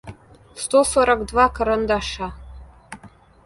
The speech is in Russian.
сто сорок два карандаша